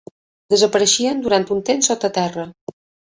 Desapareixien durant un temps sota terra.